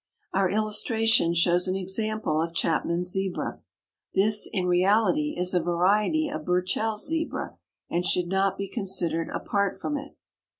Our illustration shows an example of Chapman's Zebra. This, in reality, is a variety of Burchell's Zebra and should not be considered apart from it.